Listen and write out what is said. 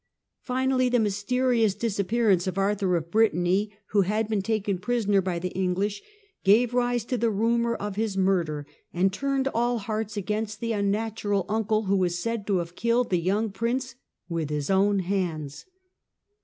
Finally, the mysterious disappearance of Arthur of Britanny, who had been taken prisoner by the English, gave rise to the rumour of his murder, and turned all hearts against the unnatural uncle who was said to have killed the young prince with his own hands.